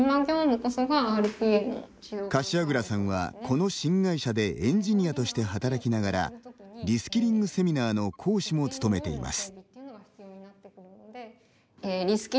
柏倉さんは、この新会社でエンジニアとして働きながらリスキリングセミナーの講師も務めています。